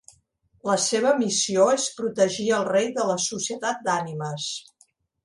La seva missió és protegir el Rei de la Societat d'Ànimes.